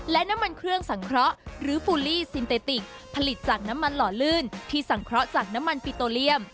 และน้ำมันเครื่องสังเคราะห์หรือฟูลี่ซินเตติกผลิตจากน้ำมันหล่อลื่นที่สังเคราะห์จากน้ำมันปิโตเลียม